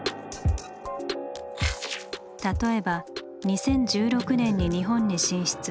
例えば２０１６年に日本に進出。